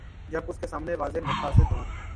جب اس کے سامنے واضح مقاصد ہوں۔